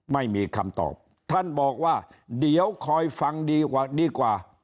ไม่มีคำตอบท่านบอกว่าเดี๋ยวคอยฟังดีกว่าดีกว่า